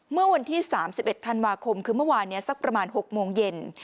เมื่อวันที่๓๑ธันวาคมคือเมื่อวานนี้สักประมาณ๖โมงเย็น